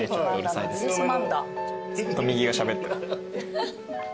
ずっと右がしゃべってる。